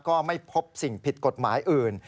ก็ไม่พบสิ่งผิดกฎหมายอื่น